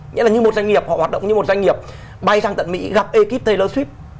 nghĩa là họ hoạt động như một doanh nghiệp bay sang tận mỹ gặp ekip taylor swift